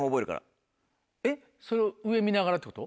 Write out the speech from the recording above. えっ上見ながらってこと？